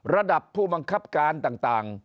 ระดับผู้บังคับการต่าง